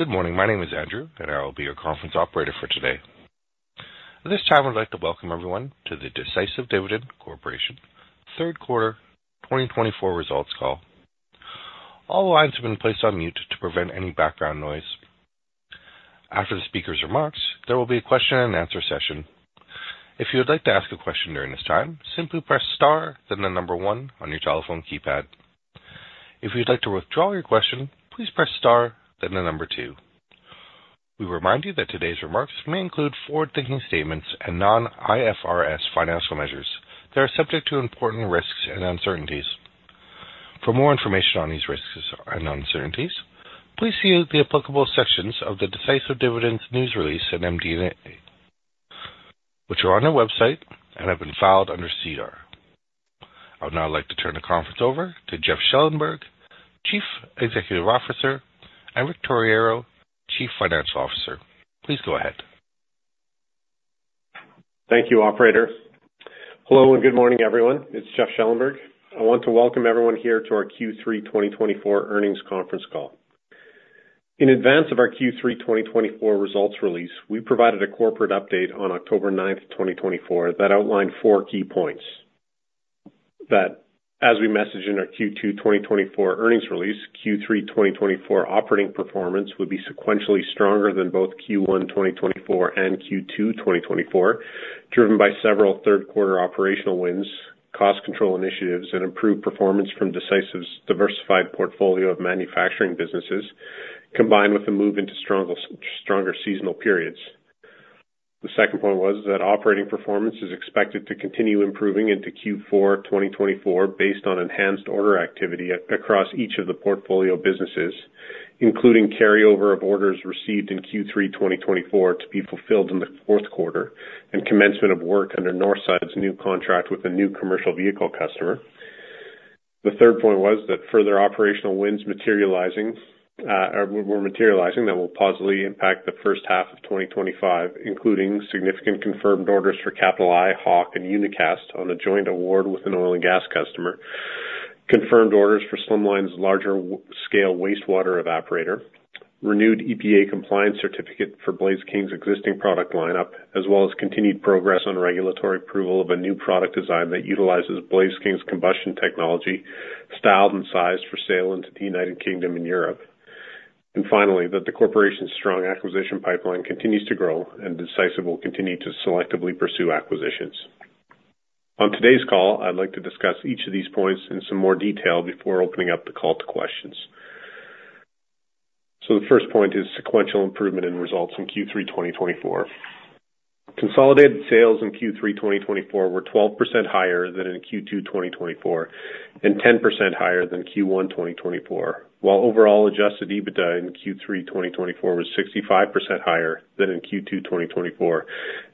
Good morning. My name is Andrew, and I will be your conference operator for today. At this time, I would like to welcome everyone to the Decisive Dividend Corporation third quarter 2024 results call. All lines have been placed on mute to prevent any background noise. After the speaker's remarks, there will be a question-and-answer session. If you would like to ask a question during this time, simply press star, then the number one on your telephone keypad. If you'd like to withdraw your question, please press star, then the number two. We remind you that today's remarks may include forward-looking statements and non-IFRS financial measures. They are subject to important risks and uncertainties. For more information on these risks and uncertainties, please see the applicable sections of the Decisive Dividend's news release and MD&A, which are on our website and have been filed under SEDAR. I would now like to turn the conference over to Jeff Schellenberg, Chief Executive Officer, and Rick Torriero, Chief Financial Officer. Please go ahead. Thank you, Operator. Hello, and good morning, everyone. It's Jeff Schellenberg. I want to welcome everyone here to our Q3 2024 earnings conference call. In advance of our Q3 2024 results release, we provided a corporate update on October 9, 2024, that outlined four key points. That, as we messaged in our Q2 2024 earnings release, Q3 2024 operating performance would be sequentially stronger than both Q1 2024 and Q2 2024, driven by several third-quarter operational wins, cost control initiatives, and improved performance from Decisive's diversified portfolio of manufacturing businesses, combined with a move into stronger seasonal periods. The second point was that operating performance is expected to continue improving into Q4 2024 based on enhanced order activity across each of the portfolio businesses, including carryover of orders received in Q3 2024 to be fulfilled in the fourth quarter and commencement of work under Northside's new contract with a new commercial vehicle customer. The third point was that further operational wins materializing that will positively impact the first half of 2025, including significant confirmed orders for Capital I, Hawk, and Unicast on a joint award with an oil and gas customer, confirmed orders for Slimline's larger-scale wastewater evaporator, renewed EPA compliance certificate for Blaze King's existing product lineup, as well as continued progress on regulatory approval of a new product design that utilizes Blaze King's combustion technology, styled and sized for sale into the United Kingdom and Europe. Finally, that the corporation's strong acquisition pipeline continues to grow, and Decisive will continue to selectively pursue acquisitions. On today's call, I'd like to discuss each of these points in some more detail before opening up the call to questions. The first point is sequential improvement in results in Q3 2024. Consolidated sales in Q3 2024 were 12% higher than in Q2 2024 and 10% higher than Q1 2024, while overall Adjusted EBITDA in Q3 2024 was 65% higher than in Q2 2024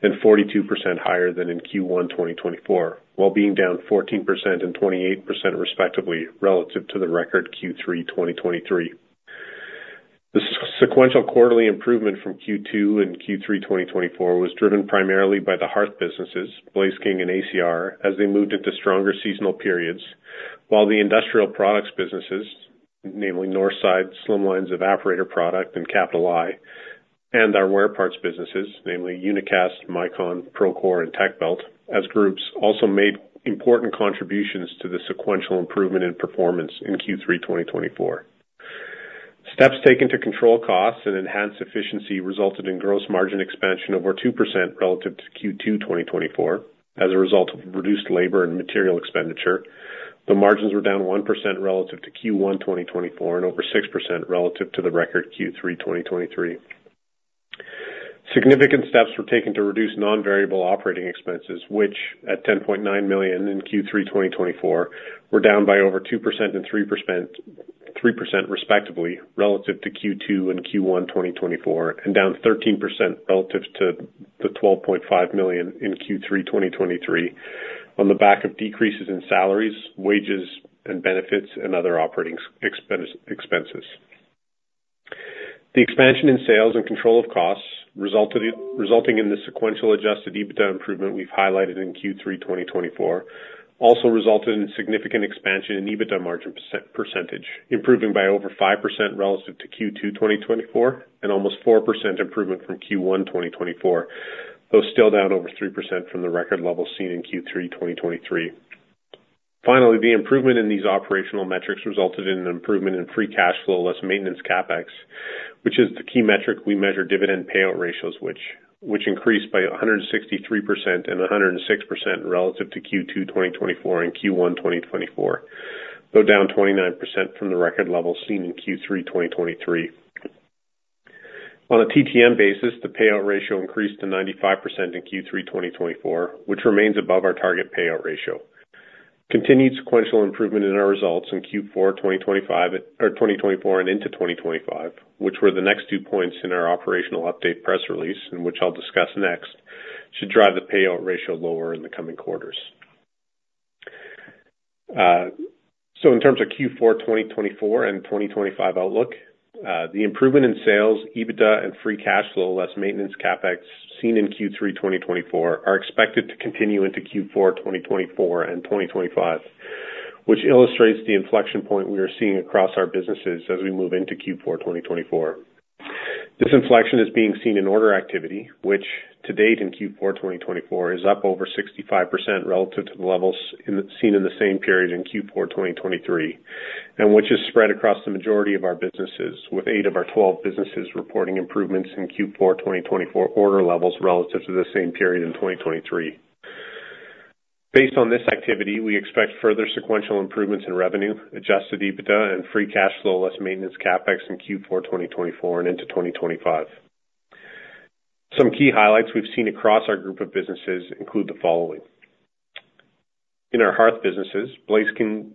and 42% higher than in Q1 2024, while being down 14% and 28% respectively relative to the record Q3 2023. The sequential quarterly improvement from Q2 and Q3 2024 was driven primarily by the hearth businesses, Blaze King and ACR, as they moved into stronger seasonal periods, while the industrial products businesses, namely Northside, Slimline's evaporator product and Capital I, and our wear parts businesses, namely Unicast, Micon, Procore, and Techbelt, as groups, also made important contributions to the sequential improvement in performance in Q3 2024. Steps taken to control costs and enhance efficiency resulted in gross margin expansion of over 2% relative to Q2 2024 as a result of reduced labor and material expenditure. The margins were down 1% relative to Q1 2024 and over 6% relative to the record Q3 2023. Significant steps were taken to reduce non-variable operating expenses, which, at 10.9 million in Q3 2024, were down by over 2% and 3% respectively relative to Q2 and Q1 2024, and down 13% relative to the 12.5 million in Q3 2023 on the back of decreases in salaries, wages, and benefits, and other operating expenses. The expansion in sales and control of costs resulting in the sequential adjusted EBITDA improvement we've highlighted in Q3 2024 also resulted in significant expansion in EBITDA margin percentage, improving by over 5% relative to Q2 2024 and almost 4% improvement from Q1 2024, though still down over 3% from the record level seen in Q3 2023. Finally, the improvement in these operational metrics resulted in an improvement in free cash flow less maintenance CapEx, which is the key metric we measure dividend payout ratios, which increased by 163% and 106% relative to Q2 2024 and Q1 2024, though down 29% from the record level seen in Q3 2023. On a TTM basis, the payout ratio increased to 95% in Q3 2024, which remains above our target payout ratio. Continued sequential improvement in our results in Q4 2024 and into 2025, which were the next two points in our operational update press release, and which I'll discuss next, should drive the payout ratio lower in the coming quarters. So in terms of Q4 2024 and 2025 outlook, the improvement in sales, EBITDA, and free cash flow less maintenance CapEx seen in Q3 2024 are expected to continue into Q4 2024 and 2025, which illustrates the inflection point we are seeing across our businesses as we move into Q4 2024. This inflection is being seen in order activity, which, to date in Q4 2024, is up over 65% relative to the levels seen in the same period in Q4 2023, and which is spread across the majority of our businesses, with 8 of our 12 businesses reporting improvements in Q4 2024 order levels relative to the same period in 2023. Based on this activity, we expect further sequential improvements in revenue, adjusted EBITDA, and free cash flow less maintenance CapEx in Q4 2024 and into 2025. Some key highlights we've seen across our group of businesses include the following. In our hearth businesses, Blaze King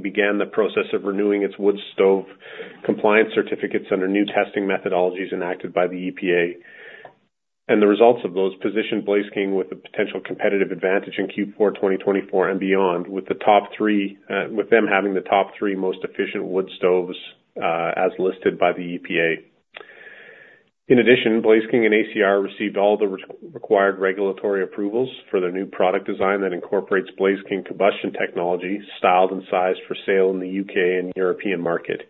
began the process of renewing its wood stove compliance certificates under new testing methodologies enacted by the EPA, and the results of those positioned Blaze King with a potential competitive advantage in Q4 2024 and beyond, with them having the top three most efficient wood stoves as listed by the EPA. In addition, Blaze King and ACR received all the required regulatory approvals for the new product design that incorporates Blaze King combustion technology, styled and sized for sale in the U.K. and European market,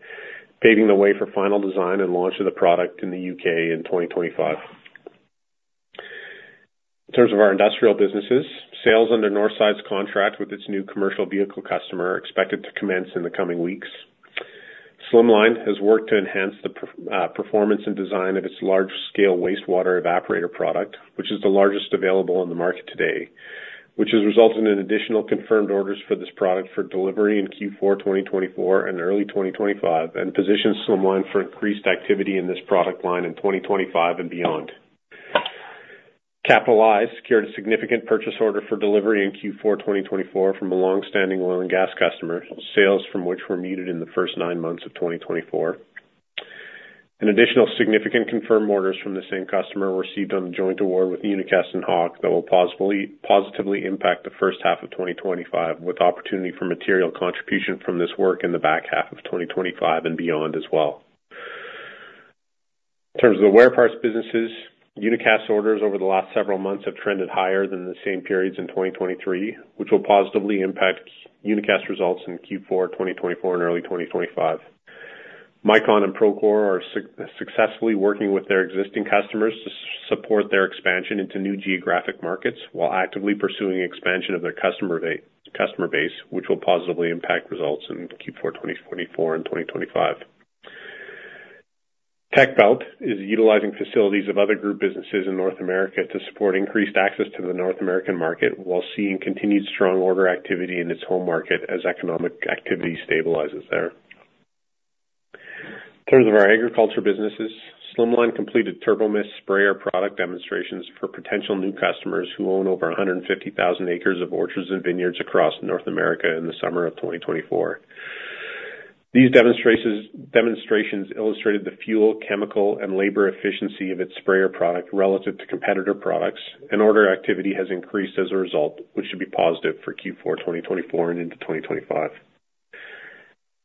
paving the way for final design and launch of the product in the U.K. in 2025. In terms of our industrial businesses, sales under Northside's contract with its new commercial vehicle customer are expected to commence in the coming weeks. Slimline has worked to enhance the performance and design of its large-scale wastewater evaporator product, which is the largest available in the market today, which has resulted in additional confirmed orders for this product for delivery in Q4 2024 and early 2025, and positions Slimline for increased activity in this product line in 2025 and beyond. Capital I secured a significant purchase order for delivery in Q4 2024 from a long-standing oil and gas customer, sales from which were muted in the first nine months of 2024, and additional significant confirmed orders from the same customer were received on the joint award with Unicast and Hawk that will positively impact the first half of 2025, with opportunity for material contribution from this work in the back half of 2025 and beyond as well. In terms of the wear parts businesses, Unicast orders over the last several months have trended higher than the same periods in 2023, which will positively impact Unicast results in Q4 2024 and early 2025. Micon and Procore are successfully working with their existing customers to support their expansion into new geographic markets while actively pursuing expansion of their customer base, which will positively impact results in Q4 2024 and 2025. Techbelt is utilizing facilities of other group businesses in North America to support increased access to the North American market while seeing continued strong order activity in its home market as economic activity stabilizes there. In terms of our agriculture businesses, Slimline completed Turbo-Mist sprayer product demonstrations for potential new customers who own over 150,000 acres of orchards and vineyards across North America in the summer of 2024. These demonstrations illustrated the fuel, chemical, and labor efficiency of its sprayer product relative to competitor products, and order activity has increased as a result, which should be positive for Q4 2024 and into 2025.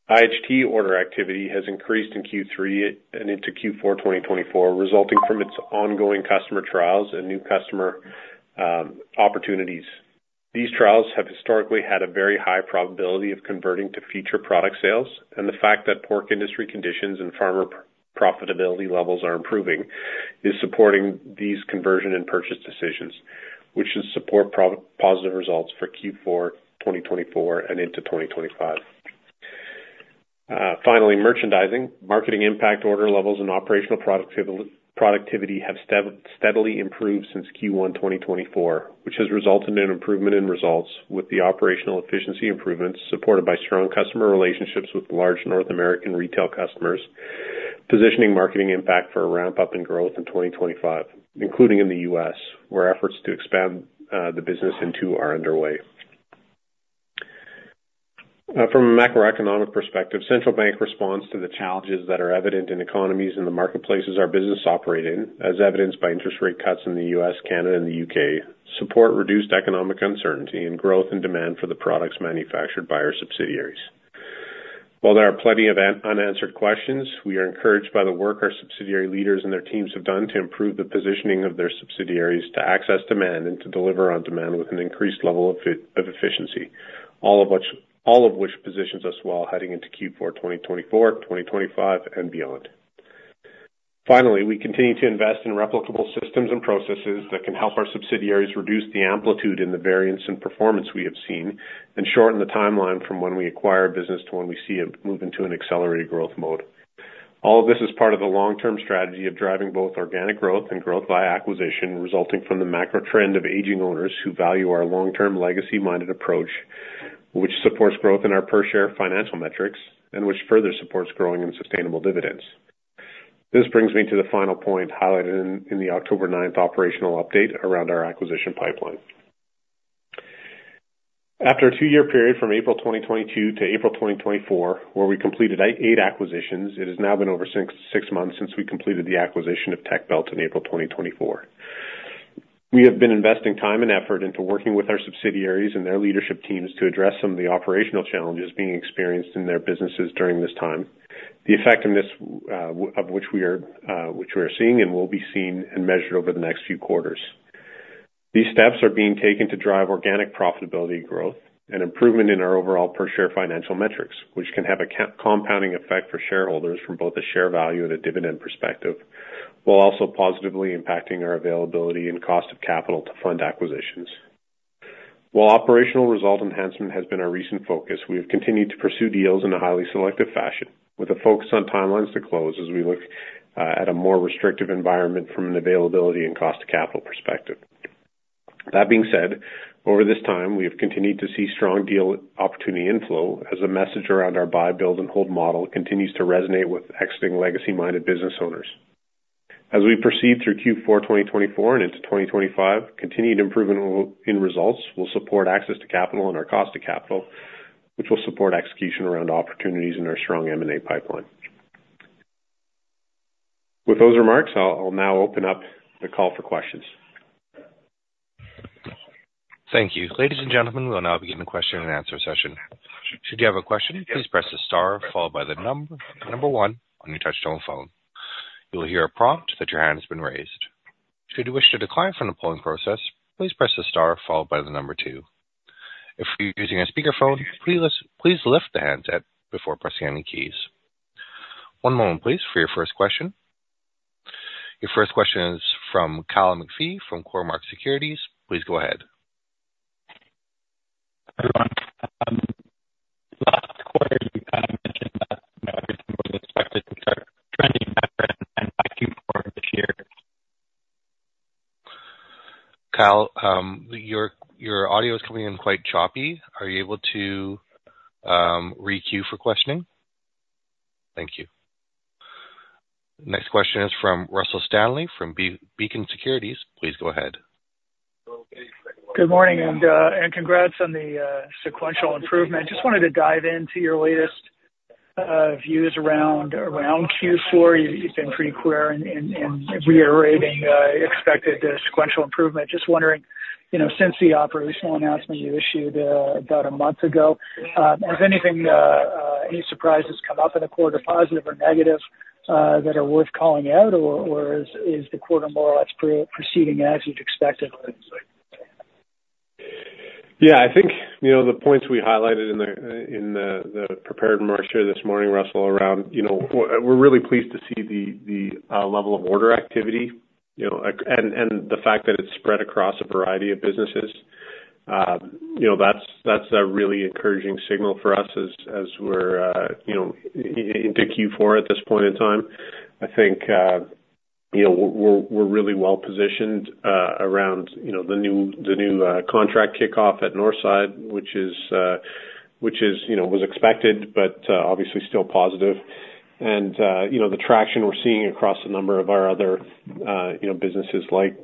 IHT order activity has increased in Q3 and into Q4 2024, resulting from its ongoing customer trials and new customer opportunities. These trials have historically had a very high probability of converting to future product sales, and the fact that pork industry conditions and farmer profitability levels are improving is supporting these conversion and purchase decisions, which should support positive results for Q4 2024 and into 2025. Finally, merchandising, Marketing Impact order levels, and operational productivity have steadily improved since Q1 2024, which has resulted in improvement in results with the operational efficiency improvements supported by strong customer relationships with large North American retail customers, positioning Marketing Impact for a ramp-up in growth in 2025, including in the U.S., where efforts to expand the business into are underway. From a macroeconomic perspective, central bank response to the challenges that are evident in economies and the marketplaces our business operates in, as evidenced by interest rate cuts in the U.S., Canada, and the U.K., support reduced economic uncertainty and growth in demand for the products manufactured by our subsidiaries. While there are plenty of unanswered questions, we are encouraged by the work our subsidiary leaders and their teams have done to improve the positioning of their subsidiaries to access demand and to deliver on demand with an increased level of efficiency, all of which positions us well heading into Q4 2024, 2025, and beyond. Finally, we continue to invest in replicable systems and processes that can help our subsidiaries reduce the amplitude in the variance and performance we have seen and shorten the timeline from when we acquire a business to when we see it move into an accelerated growth mode. All of this is part of the long-term strategy of driving both organic growth and growth by acquisition, resulting from the macro trend of aging owners who value our long-term legacy-minded approach, which supports growth in our per-share financial metrics and which further supports growing and sustainable dividends. This brings me to the final point highlighted in the October 9 operational update around our acquisition pipeline. After a two-year period from April 2022 to April 2024, where we completed eight acquisitions, it has now been over six months since we completed the acquisition of Techbelt in April 2024. We have been investing time and effort into working with our subsidiaries and their leadership teams to address some of the operational challenges being experienced in their businesses during this time, the effectiveness of which we are seeing and will be seen and measured over the next few quarters. These steps are being taken to drive organic profitability growth and improvement in our overall per-share financial metrics, which can have a compounding effect for shareholders from both a share value and a dividend perspective, while also positively impacting our availability and cost of capital to fund acquisitions. While operational result enhancement has been our recent focus, we have continued to pursue deals in a highly selective fashion, with a focus on timelines to close as we look at a more restrictive environment from an availability and cost of capital perspective. That being said, over this time, we have continued to see strong deal opportunity inflow as the message around our buy, build, and hold model continues to resonate with exiting legacy-minded business owners. As we proceed through Q4 2024 and into 2025, continued improvement in results will support access to capital and our cost of capital, which will support execution around opportunities in our strong M&A pipeline. With those remarks, I'll now open up the call for questions. Thank you. Ladies and gentlemen, we'll now begin the question and answer session. Should you have a question, please press the star followed by the number one on your touch-tone phone. You'll hear a prompt that your hand has been raised. Should you wish to decline from the polling process, please press the star followed by the number two. If you're using a speakerphone, please lift the handset before pressing any keys. One moment, please, for your first question. Your first question is from Kyle McPhee from Cormark Securities. Please go ahead. [inaudible] Kyle, your audio is coming in quite choppy. Are you able to re-queue for questioning? Thank you. Next question is from Russell Stanley from Beacon Securities. Please go ahead. Good morning and congrats on the sequential improvement. Just wanted to dive into your latest views around Q4. You've been pretty clear in reiterating expected sequential improvement. Just wondering, since the operational announcement you issued about a month ago, has any surprises come up in the quarter, positive or negative, that are worth calling out, or is the quarter more or less proceeding as you'd expected? Yeah, I think the points we highlighted in the prepared remarks here this morning, Russell, around we're really pleased to see the level of order activity and the fact that it's spread across a variety of businesses. That's a really encouraging signal for us as we're into Q4 at this point in time. I think we're really well positioned around the new contract kickoff at Northside, which was expected, but obviously still positive. And the traction we're seeing across a number of our other businesses, like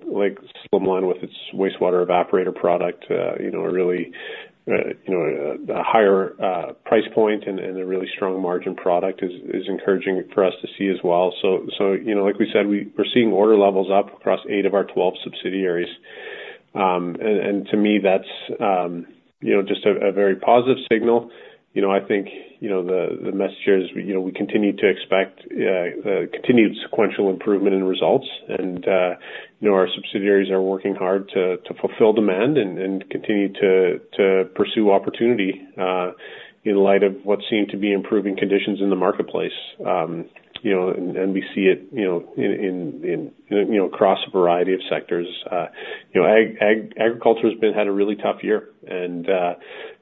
Slimline with its wastewater evaporator product, a really higher price point and a really strong margin product, is encouraging for us to see as well. So like we said, we're seeing order levels up across eight of our 12 subsidiaries. And to me, that's just a very positive signal. I think the message here is we continue to expect continued sequential improvement in results, and our subsidiaries are working hard to fulfill demand and continue to pursue opportunity in light of what seem to be improving conditions in the marketplace. And we see it across a variety of sectors. Agriculture has had a really tough year, and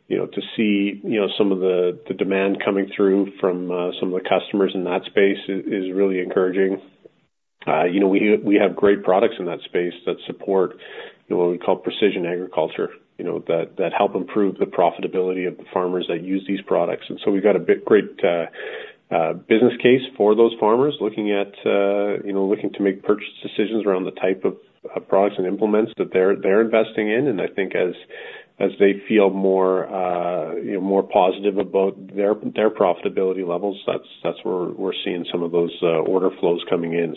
to see some of the demand coming through from some of the customers in that space is really encouraging. We have great products in that space that support what we call precision agriculture that help improve the profitability of the farmers that use these products. So we've got a great business case for those farmers looking to make purchase decisions around the type of products and implements that they're investing in. I think as they feel more positive about their profitability levels, that's where we're seeing some of those order flows coming in,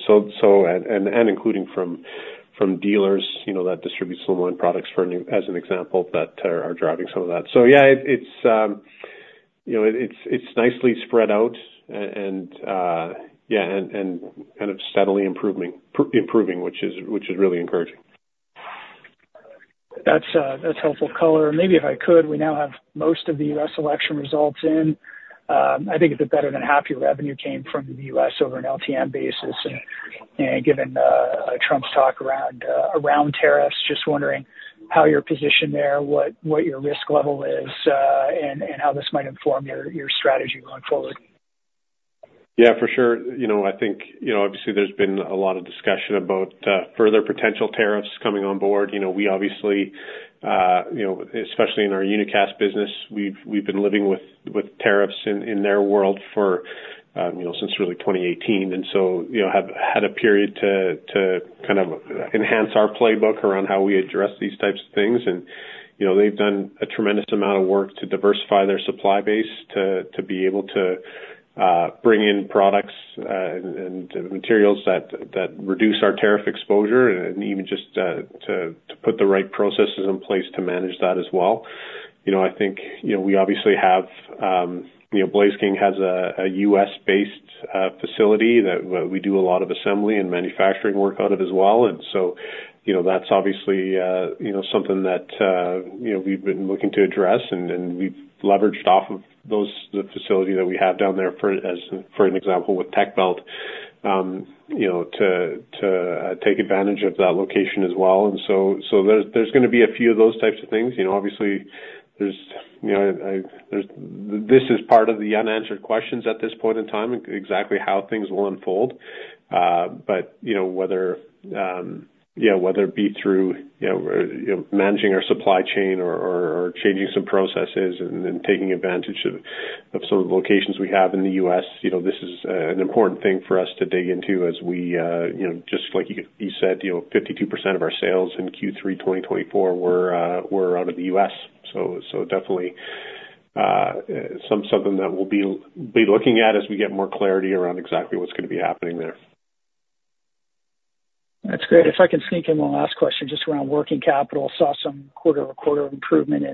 including from dealers that distribute Slimline products as an example that are driving some of that. Yeah, it's nicely spread out and kind of steadily improving, which is really encouraging. That's helpful color. Maybe if I could, we now have most of the U.S. election results in. I think better than half of revenue came from the U.S. over an LTM basis. And given Trump's talk around tariffs, just wondering how you're positioned there, what your risk level is, and how this might inform your strategy going forward. Yeah, for sure. I think obviously there's been a lot of discussion about further potential tariffs coming on board. We obviously, especially in our Unicast business, we've been living with tariffs in their world since really 2018, and so have had a period to kind of enhance our playbook around how we address these types of things. And they've done a tremendous amount of work to diversify their supply base to be able to bring in products and materials that reduce our tariff exposure and even just to put the right processes in place to manage that as well. I think we obviously have Blaze King has a U.S.-based facility that we do a lot of assembly and manufacturing work out of as well. And so that's obviously something that we've been looking to address, and we've leveraged off of the facility that we have down there, for an example, with Techbelt to take advantage of that location as well. And so there's going to be a few of those types of things. Obviously, this is part of the unanswered questions at this point in time, exactly how things will unfold. But whether it be through managing our supply chain or changing some processes and taking advantage of some of the locations we have in the U.S., this is an important thing for us to dig into as we, just like you said, 52% of our sales in Q3 2024 were out of the U.S. So definitely something that we'll be looking at as we get more clarity around exactly what's going to be happening there. That's great. If I can sneak in one last question just around working capital, saw some quarter-over-quarter improvement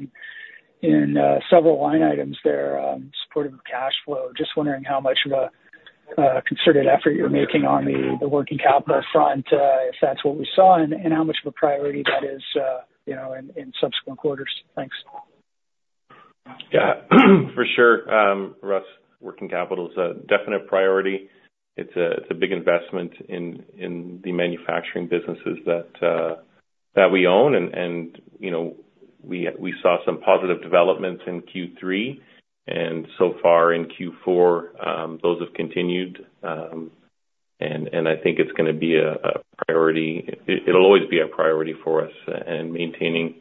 in several line items there supporting cash flow. Just wondering how much of a concerted effort you're making on the working capital front, if that's what we saw, and how much of a priority that is in subsequent quarters. Thanks. Yeah, for sure. Russell. Working capital is a definite priority. It's a big investment in the manufacturing businesses that we own. And we saw some positive developments in Q3, and so far in Q4, those have continued. And I think it's going to be a priority. It'll always be a priority for us in maintaining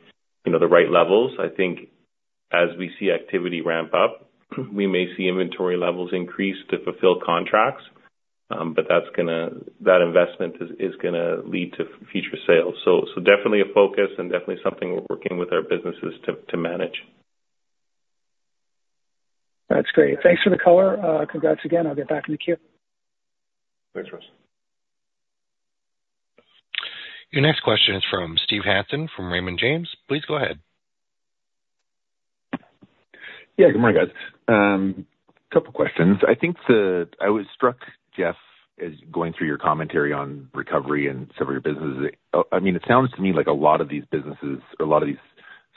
the right levels. I think as we see activity ramp up, we may see inventory levels increase to fulfill contracts, but that investment is going to lead to future sales. So definitely a focus and definitely something we're working with our businesses to manage. That's great. Thanks for the color. Congrats again. I'll get back in the queue. Thanks, Russell. Your next question is from Steve Hansen from Raymond James. Please go ahead. Yeah, good morning, guys. A couple of questions. I was struck, Jeff, as going through your commentary on recovery and some of your businesses. I mean, it sounds to me like a lot of these businesses, a lot of these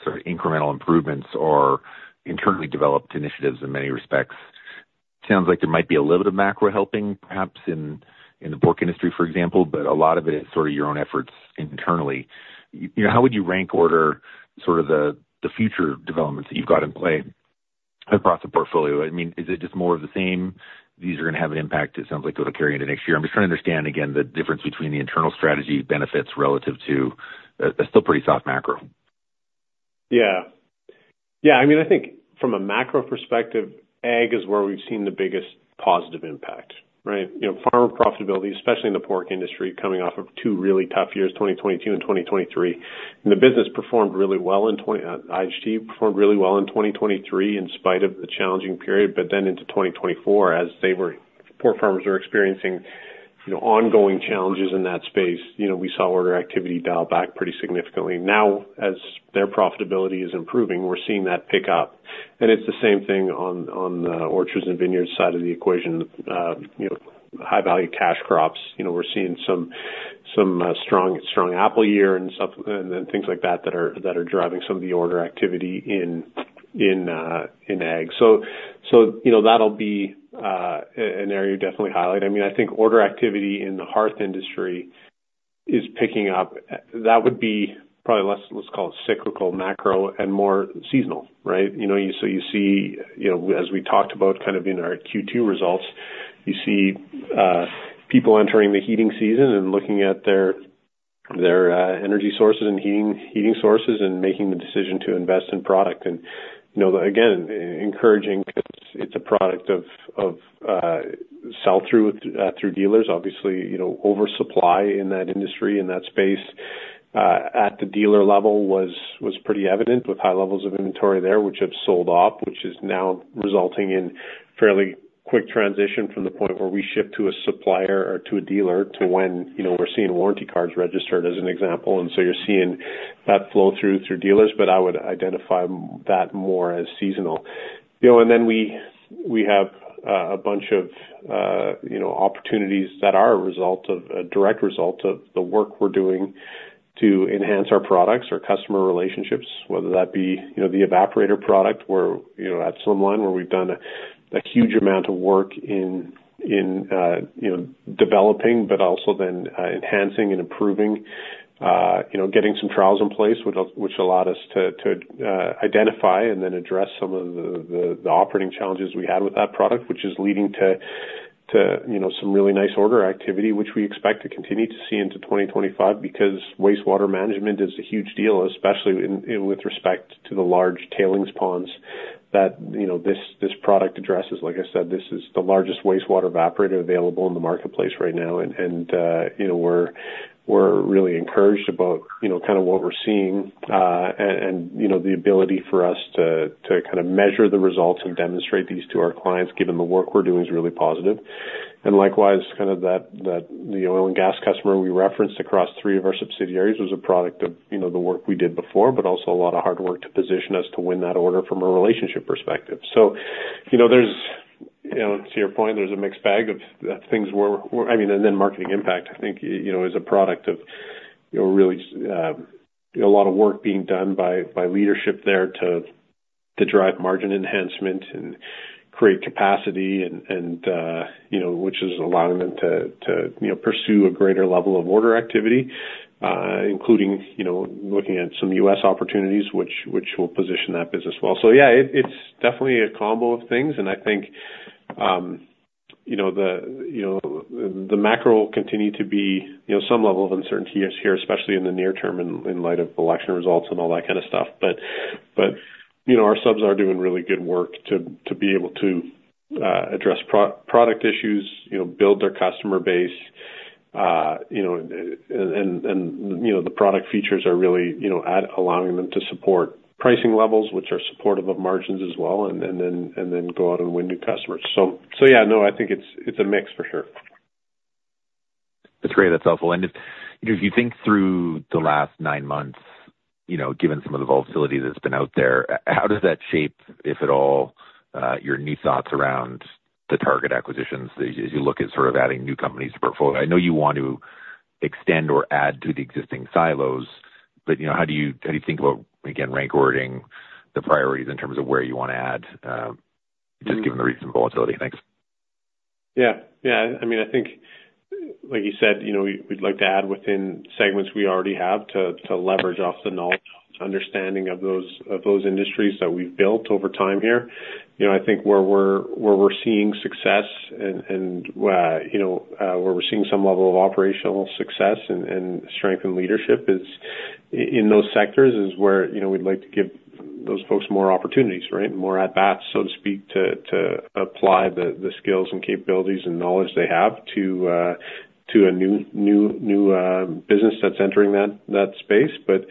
sort of incremental improvements are internally developed initiatives in many respects. It sounds like there might be a little bit of macro helping, perhaps in the pork industry, for example, but a lot of it is sort of your own efforts internally. How would you rank order sort of the future developments that you've got in play across the portfolio? I mean, is it just more of the same? These are going to have an impact. It sounds like it'll carry into next year. I'm just trying to understand, again, the difference between the internal strategy benefits relative to a still pretty soft macro. Yeah. Yeah. I mean, I think from a macro perspective, ag is where we've seen the biggest positive impact, right? Farmer profitability, especially in the pork industry, coming off of two really tough years, 2022 and 2023, and the business performed really well in 2020. IHT performed really well in 2023 in spite of the challenging period, but then into 2024, as pork farmers are experiencing ongoing challenges in that space, we saw order activity dial back pretty significantly. Now, as their profitability is improving, we're seeing that pick up, and it's the same thing on the orchards and vineyards side of the equation. High-value cash crops. We're seeing some strong apple year and things like that that are driving some of the order activity in ag. So that'll be an area to definitely highlight. I mean, I think order activity in the hearth industry is picking up. That would be probably less, let's call it cyclical macro and more seasonal, right? So you see, as we talked about kind of in our Q2 results, you see people entering the heating season and looking at their energy sources and heating sources and making the decision to invest in product. And again, encouraging because it's a product of sell-through through dealers. Obviously, oversupply in that industry, in that space, at the dealer level was pretty evident with high levels of inventory there, which have sold off, which is now resulting in fairly quick transition from the point where we shift to a supplier or to a dealer to when we're seeing warranty cards registered, as an example, and so you're seeing that flow through dealers, but I would identify that more as seasonal. Then we have a bunch of opportunities that are a direct result of the work we're doing to enhance our products, our customer relationships, whether that be the evaporator product at Slimline, where we've done a huge amount of work in developing, but also then enhancing and improving, getting some trials in place, which allowed us to identify and then address some of the operating challenges we had with that product, which is leading to some really nice order activity, which we expect to continue to see into 2025 because wastewater management is a huge deal, especially with respect to the large tailings ponds that this product addresses. Like I said, this is the largest wastewater evaporator available in the marketplace right now. We're really encouraged about kind of what we're seeing and the ability for us to kind of measure the results and demonstrate these to our clients, given the work we're doing is really positive. Likewise, kind of the oil and gas customer we referenced across three of our subsidiaries was a product of the work we did before, but also a lot of hard work to position us to win that order from a relationship perspective. To your point, there's a mixed bag of things we're, I mean, and then Marketing Impact, I think, is a product of really a lot of work being done by leadership there to drive margin enhancement and create capacity, which is allowing them to pursue a greater level of order activity, including looking at some U.S. opportunities, which will position that business well. Yeah, it's definitely a combo of things. And I think the macro will continue to be some level of uncertainty here, especially in the near term in light of election results and all that kind of stuff. But our subs are doing really good work to be able to address product issues, build their customer base. And the product features are really allowing them to support pricing levels, which are supportive of margins as well, and then go out and win new customers. So yeah, no, I think it's a mix for sure. That's great. That's helpful. And if you think through the last nine months, given some of the volatility that's been out there, how does that shape, if at all, your new thoughts around the target acquisitions as you look at sort of adding new companies to the portfolio? I know you want to extend or add to the existing silos, but how do you think about, again, rank-ordering the priorities in terms of where you want to add, just given the recent volatility? Thanks. Yeah. Yeah. I mean, I think, like you said, we'd like to add within segments we already have to leverage off the knowledge and understanding of those industries that we've built over time here. I think where we're seeing success and where we're seeing some level of operational success and strength in leadership in those sectors is where we'd like to give those folks more opportunities, right? More at-bats, so to speak, to apply the skills and capabilities and knowledge they have to a new business that's entering that space. But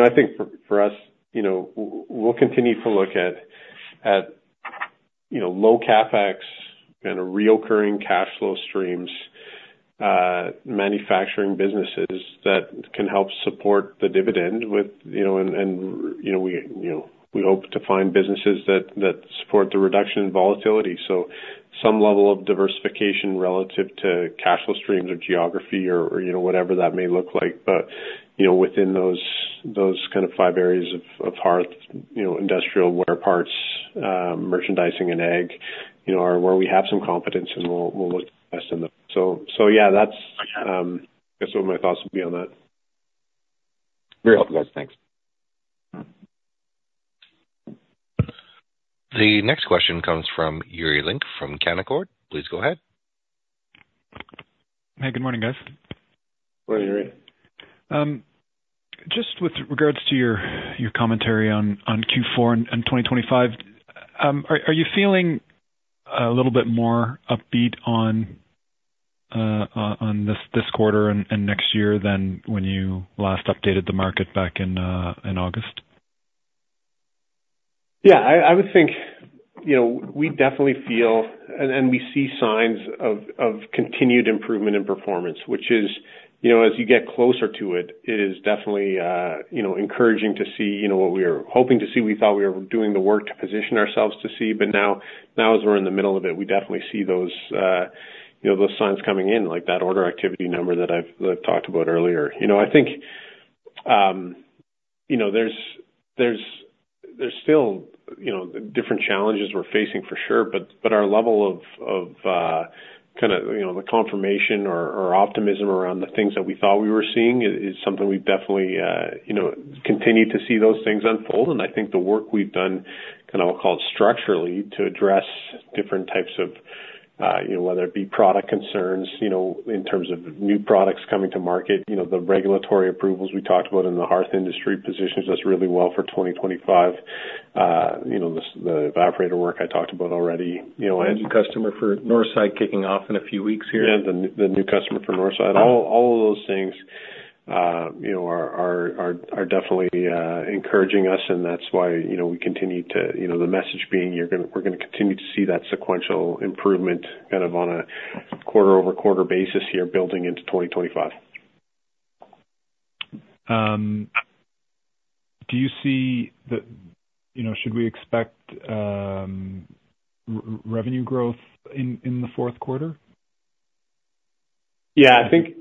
I think for us, we'll continue to look at low CapEx, kind of recurring cash flow streams, manufacturing businesses that can help support the dividend. We hope to find businesses that support the reduction in volatility. Some level of diversification relative to cash flow streams or geography or whatever that may look like. But within those kind of five areas of hearth, industrial wear parts, merchandising, and ag are where we have some confidence, and we'll invest in them. So yeah, that's what my thoughts would be on that. Very helpful, guys. Thanks. The next question comes from Yuri Lynk from Canaccord. Please go ahead. Hey, good morning, guys. Morning, Yuri. Just with regards to your commentary on Q4 and 2025, are you feeling a little bit more upbeat on this quarter and next year than when you last updated the market back in August? Yeah. I would think we definitely feel and we see signs of continued improvement in performance, which is, as you get closer to it, it is definitely encouraging to see what we were hoping to see. We thought we were doing the work to position ourselves to see, but now as we're in the middle of it, we definitely see those signs coming in, like that order activity number that I've talked about earlier. I think there's still different challenges we're facing for sure, but our level of kind of the confirmation or optimism around the things that we thought we were seeing is something we've definitely continued to see those things unfold. And I think the work we've done kind of, I'll call it structurally, to address different types of, whether it be product concerns in terms of new products coming to market, the regulatory approvals we talked about in the hearth industry positions us really well for 2025, the evaporator work I talked about already. The new customer for Northside kicking off in a few weeks here. Yeah, the new customer for Northside. All of those things are definitely encouraging us, and that's why we continue to, the message being, we're going to continue to see that sequential improvement kind of on a quarter-over-quarter basis here, building into 2025. Do you see the, should we expect revenue growth in the fourth quarter? Yeah. I think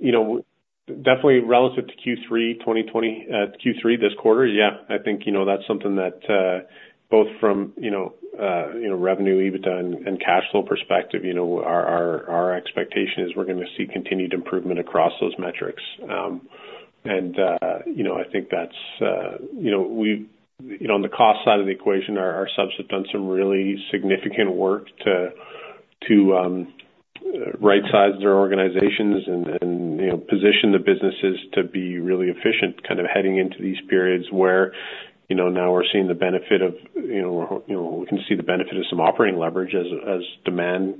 definitely relative to Q3 2020, Q3 this quarter, yeah, I think that's something that both from revenue, EBITDA, and cash flow perspective, our expectation is we're going to see continued improvement across those metrics. And I think that's, on the cost side of the equation, our subs have done some really significant work to right-size their organizations and position the businesses to be really efficient kind of heading into these periods where now we're seeing the benefit of, we can see the benefit of some operating leverage as demand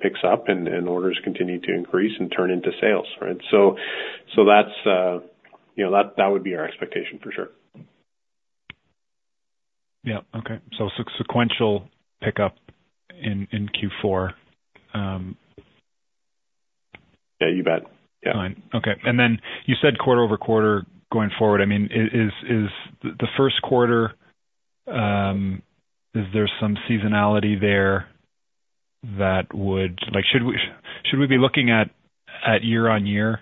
picks up and orders continue to increase and turn into sales, right? So that would be our expectation for sure. Yeah. Okay, so sequential pickup in Q4. Yeah, you bet. Yeah. Fine. Okay. And then you said quarter-over-quarter going forward. I mean, is the first quarter - is there some seasonality there that would - should we be looking at year-on-year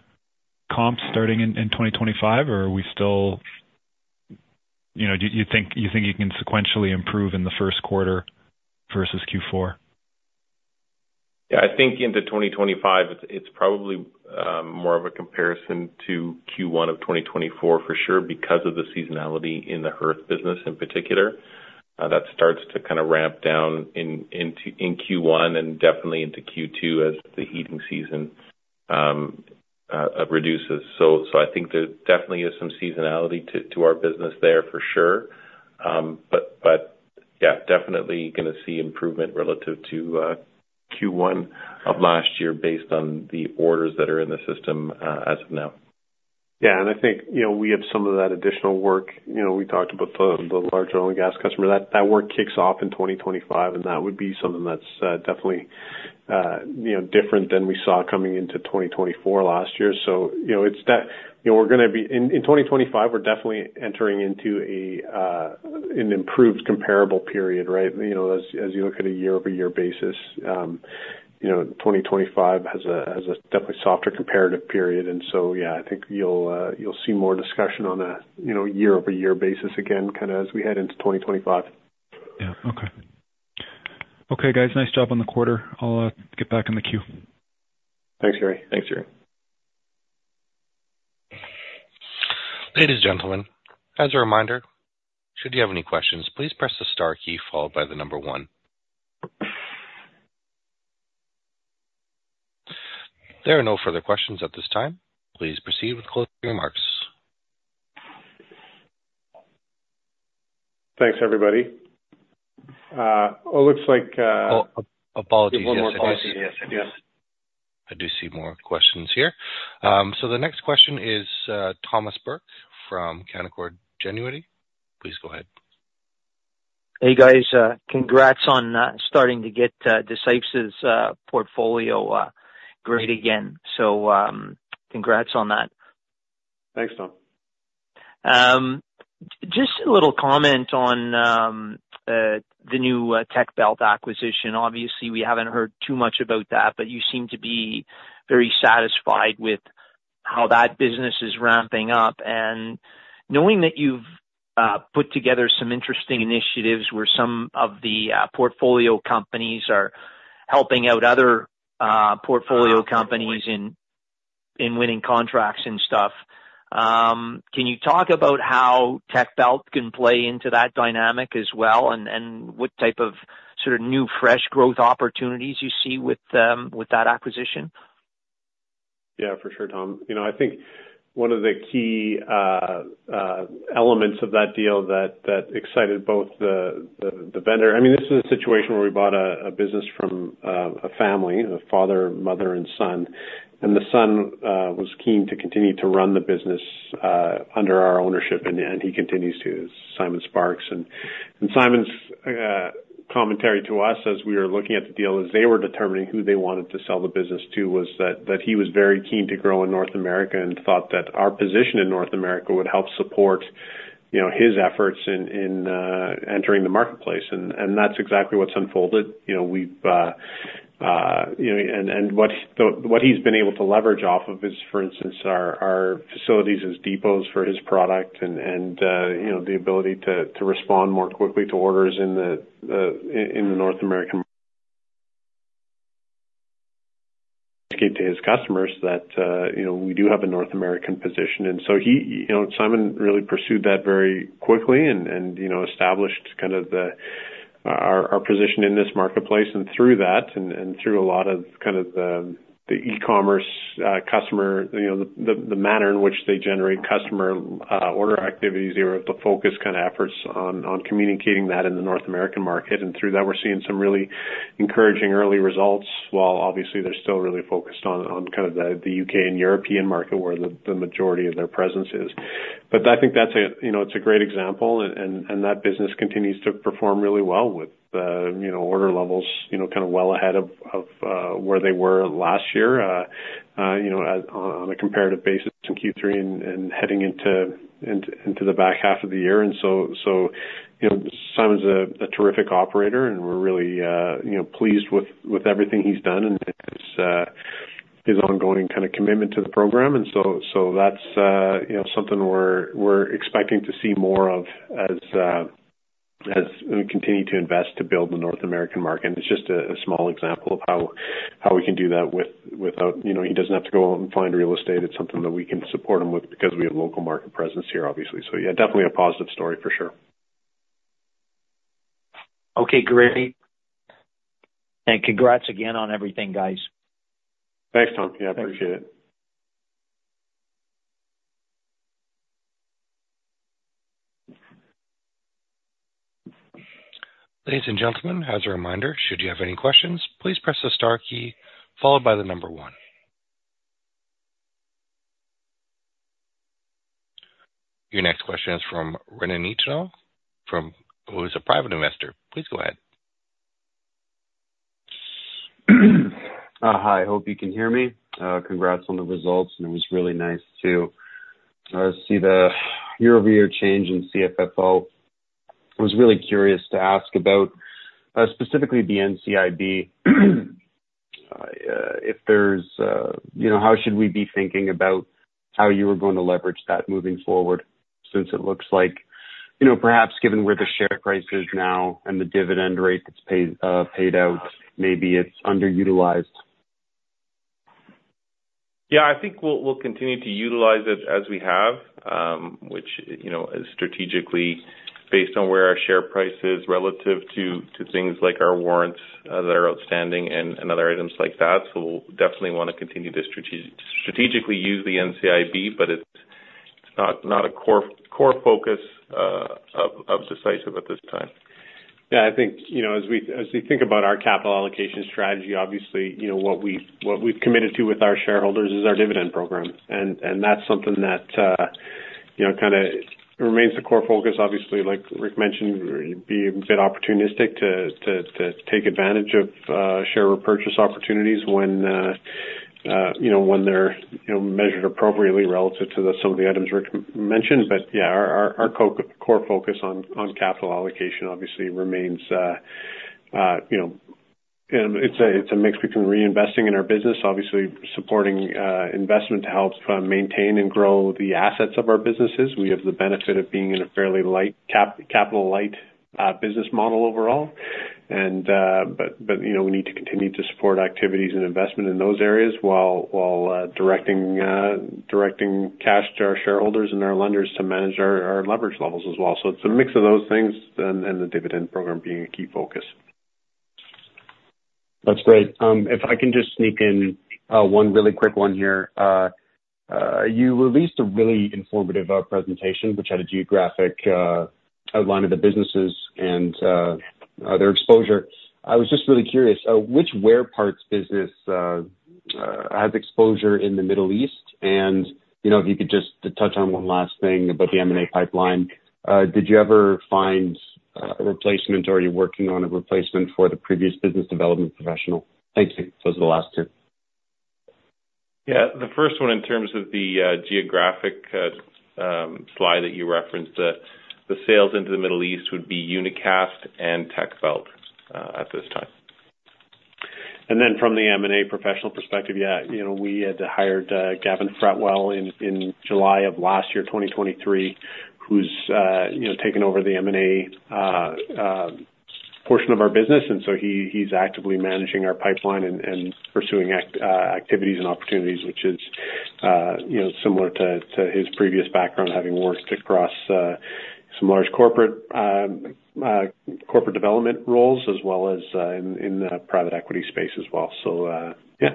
comps starting in 2025, or are we still - do you think you can sequentially improve in the first quarter versus Q4? Yeah. I think into 2025, it's probably more of a comparison to Q1 of 2024 for sure because of the seasonality in the hearth business in particular. That starts to kind of ramp down in Q1 and definitely into Q2 as the heating season reduces. So I think there definitely is some seasonality to our business there for sure. But yeah, definitely going to see improvement relative to Q1 of last year based on the orders that are in the system as of now. Yeah. And I think we have some of that additional work. We talked about the large oil and gas customer. That work kicks off in 2025, and that would be something that's definitely different than we saw coming into 2024 last year. So it's that we're going to be in 2025, we're definitely entering into an improved comparable period, right? As you look at a year-over-year basis, 2025 has a definitely softer comparative period. And so yeah, I think you'll see more discussion on a year-over-year basis again kind of as we head into 2025. Yeah. Okay. Okay, guys. Nice job on the quarter. I'll get back in the queue. Thanks, Yuri. Thanks, Yuri. Ladies and gentlemen, as a reminder, should you have any questions, please press the star key followed by the number one. There are no further questions at this time. Please proceed with closing remarks. Thanks, everybody. Well, it looks like. Oh, apologies. One more question. Yes, I do. I do see more questions here. So the next question is Thomas Burke from Canaccord Genuity. Please go ahead. Hey, guys. Congrats on starting to get Decisive's portfolio great again. So congrats on that. Thanks, Tom. Just a little comment on the new Techbelt acquisition. Obviously, we haven't heard too much about that, but you seem to be very satisfied with how that business is ramping up. And knowing that you've put together some interesting initiatives where some of the portfolio companies are helping out other portfolio companies in winning contracts and stuff, can you talk about how Techbelt can play into that dynamic as well and what type of sort of new fresh growth opportunities you see with that acquisition? Yeah, for sure, Tom. I think one of the key elements of that deal that excited both the vendor, I mean, this is a situation where we bought a business from a family, a father, mother, and son. And the son was keen to continue to run the business under our ownership, and he continues to. Simon Sparks. And Simon's commentary to us as we were looking at the deal, as they were determining who they wanted to sell the business to, was that he was very keen to grow in North America and thought that our position in North America would help support his efforts in entering the marketplace. And that's exactly what's unfolded. and what he's been able to leverage off of is, for instance, our facilities as depots for his product and the ability to respond more quickly to orders in the North American market to his customers that we do have a North American position. And so Simon really pursued that very quickly and established kind of our position in this marketplace. And through that and through a lot of kind of the e-commerce customer, the manner in which they generate customer order activities, they were able to focus kind of efforts on communicating that in the North American market. And through that, we're seeing some really encouraging early results while, obviously, they're still really focused on kind of the UK and European market where the majority of their presence is. But I think that's a, it's a great example. That business continues to perform really well with order levels kind of well ahead of where they were last year on a comparative basis in Q3 and heading into the back half of the year. So Simon's a terrific operator, and we're really pleased with everything he's done and his ongoing kind of commitment to the program. So that's something we're expecting to see more of as we continue to invest to build the North American market. It's just a small example of how we can do that without, he doesn't have to go out and find real estate. It's something that we can support him with because we have local market presence here, obviously. So yeah, definitely a positive story for sure. Okay, great. Congrats again on everything, guys. Thanks, Tom. Yeah, appreciate it. Ladies and gentlemen, as a reminder, should you have any questions, please press the star key followed by the number one. Your next question is from Rene Nitschke, who is a private investor. Please go ahead. Hi, hope you can hear me. Congrats on the results. And it was really nice to see the year-over-year change in CFFO. I was really curious to ask about specifically the NCIB, if there's, how should we be thinking about how you were going to leverage that moving forward since it looks like perhaps given where the share price is now and the dividend rate that's paid out, maybe it's underutilized? Yeah, I think we'll continue to utilize it as we have, which is strategically based on where our share price is relative to things like our warrants that are outstanding and ot her items like that. So we'll definitely want to continue to strategically use the NCIB, but it's not a core focus of Decisive at this time. Yeah, I think as we think about our capital allocation strategy, obviously, what we've committed to with our shareholders is our dividend program. And that's something that kind of remains the core focus, obviously, like Rick mentioned, being a bit opportunistic to take advantage of share repurchase opportunities when they're measured appropriately relative to some of the items Rick mentioned. But yeah, our core focus on capital allocation obviously remains. It's a mix between reinvesting in our business, obviously supporting investment to help maintain and grow the assets of our businesses. We have the benefit of being in a fairly capital-light business model overall. But we need to continue to support activities and investment in those areas while directing cash to our shareholders and our lenders to manage our leverage levels as well. So it's a mix of those things and the dividend program being a key focus. That's great. If I can just sneak in one really quick one here. You released a really informative presentation, which had a geographic outline of the businesses and their exposure. I was just really curious which wear parts business has exposure in the Middle East? And if you could just touch on one last thing about the M&A pipeline, did you ever find a replacement, or are you working on a replacement for the previous business development professional? Thank you. Those are the last two. Yeah. The first one in terms of the geographic slide that you referenced, the sales into the Middle East would be Unicast and Techbelt at this time. And then from the M&A professional perspective, yeah, we had hired Gavin Fretwell in July of last year, 2023, who's taken over the M&A portion of our business. And so he's actively managing our pipeline and pursuing activities and opportunities, which is similar to his previous background, having worked across some large corporate development roles as well as in the private equity space as well. So yeah,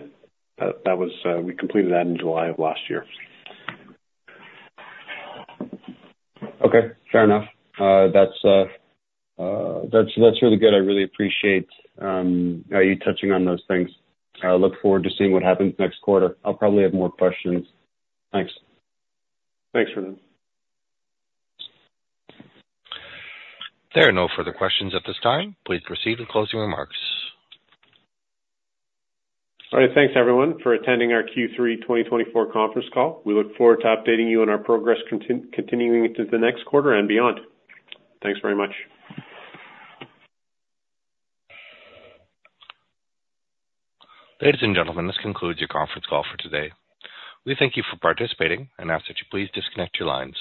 we completed that in July of last year. Okay. Fair enough. That's really good. I really appreciate you touching on those things. I look forward to seeing what happens next quarter. I'll probably have more questions. Thanks. Thanks, Rene. There are no further questions at this time. Please proceed with closing remarks. All right. Thanks, everyone, for attending our Q3 2024 conference call. We look forward to updating you on our progress continuing into the next quarter and beyond. Thanks very much. Ladies and gentlemen, this concludes your conference call for today. We thank you for participating and ask that you please disconnect your lines.